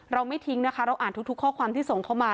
ไม่ทิ้งนะคะเราอ่านทุกข้อความที่ส่งเข้ามา